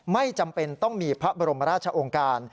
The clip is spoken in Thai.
ไม่จำเป็นต้องมีพระบรมราชองค์การ